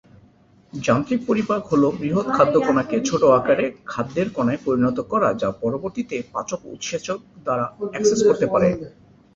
যান্ত্রিক পরিপাক হল বৃহৎ খাদ্য কণাকে ছোট আকারে খাদ্যের কণায় পরিণত করা যা পরবর্তীতে পাচক উৎসেচক দ্বারা অ্যাক্সেস করতে পারে।